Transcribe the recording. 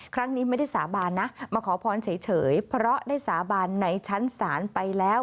ครั้งนี้ไม่ได้สาบานนะมาขอพรเฉยเพราะได้สาบานในชั้นศาลไปแล้ว